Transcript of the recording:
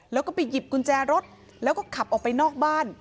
แล้วก็ไปหยิบกุญแจรถแล้วก็ขับออกไปนอกบ้าน